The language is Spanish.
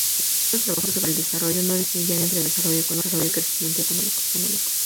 Los primeros trabajos sobre el desarrollo no distinguían entre desarrollo económico y crecimiento económico.